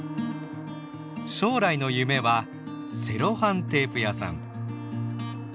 「将来の夢はセロハンテープ屋さん」。